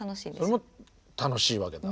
それも楽しいわけだ。